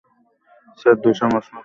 Sir, dosa মচমচে হয়েছে তো?